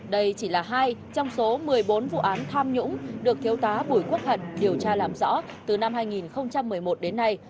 đây chỉ là hai trong số một mươi bốn vụ án tham nhũng được thiếu tá bùi quốc hận điều tra làm rõ từ năm hai nghìn một mươi một đến nay